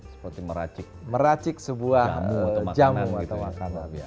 seperti meracik jamu atau makanan gitu ya